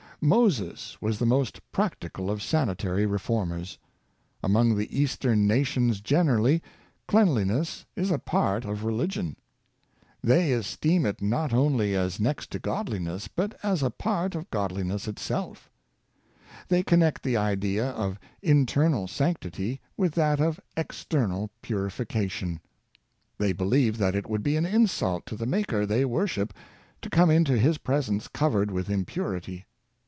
Moses was the most practical of sanitary reformers. Among the Eastern nations generally, cleanliness is a part of religion. They esteem it not only as next to Comfiion Things at Home, 51 godliness, but as a part of godliness itself. They con nect the idea of internal sanctity with that of external purification. They feel that it would be an insult to the Maker they worship to come into his presence covered v/ith impurity.